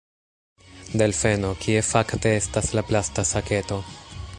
Delfeno: "Kie fakte estas la plasta saketo?"